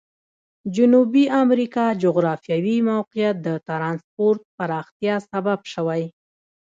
جنوبي امریکا جغرافیوي موقعیت د ترانسپورت پراختیا سبب شوی.